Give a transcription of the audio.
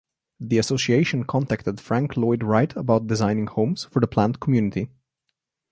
The association contacted Frank Lloyd Wright about designing homes for the planned community.